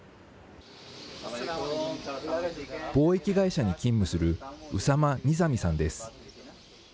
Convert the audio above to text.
貿易会社に勤務するウサマ・ニザミさんです。